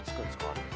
あれ。